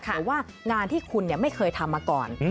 หรือว่างานที่คุณไม่เคยทำมาก่อน